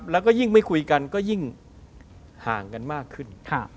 แล้วก็ยิ่งไม่คุยกันก็ยิ่งห่างกันมากขึ้น